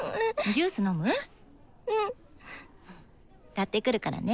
買ってくるからね。